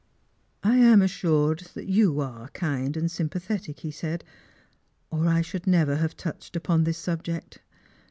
"I am assured that you are kind and sympathetic," he said, " or I should never have touched upon this subject.